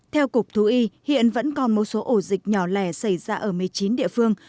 theo cục thú y hiện vẫn còn một số ổ dịch nhỏ lẻ xảy ra ở một mươi chín địa phương